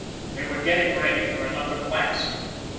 They were getting ready for another blast.